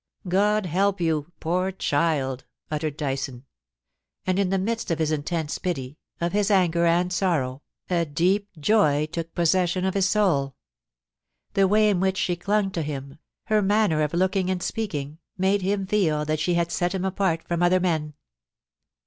' God help you, poor child I' uttered Dyson. And in the midst of his intense pity, of his anger and sorrow, a deep joy 358 POLICY, AND PASSION. took possession of his soul The way in which she clung to him, her manner of looking and speaking, made him fed that she had set him apart from other men.